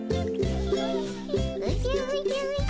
おじゃおじゃおじゃ。